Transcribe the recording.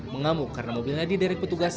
mengamuk karena mobilnya diderek petugas